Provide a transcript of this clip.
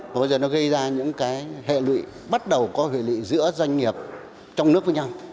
và bây giờ nó gây ra những cái hệ lụy bắt đầu có hệ lụy giữa doanh nghiệp trong nước với nhau